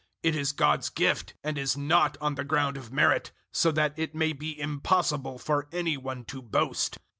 It is God's gift, and is not on the ground of merit 002:009 so that it may be impossible for any one to boast.